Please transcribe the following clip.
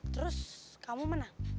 terus kamu menang